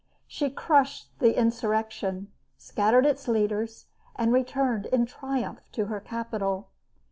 She crushed the insurrection, scattered its leaders, and returned in triumph to her capital.